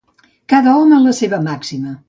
Cada home, la seva màxima.